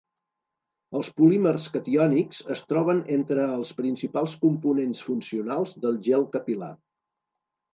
Els polímers catiònics es troben entre els principals components funcionals del gel capil·lar.